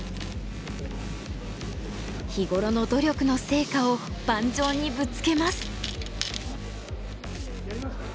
日頃の努力の成果を盤上にぶつけます。